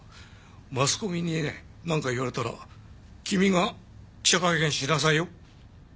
マスコミにねなんか言われたら君が記者会見しなさいよ。